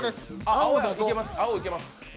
青いけます。